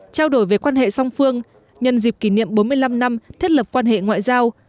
trao đổi về quan hệ song phương nhân dịp kỷ niệm bốn mươi năm năm thiết lập quan hệ ngoại giao